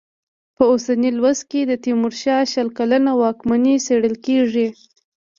په اوسني لوست کې د تېمورشاه شل کلنه واکمني څېړل کېږي.